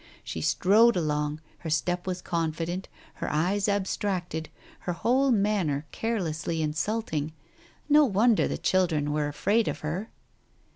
She strode along, her step was confident, her eyes abstracted, her whole manner carelessly insulting. No wonder the children were afraid of her.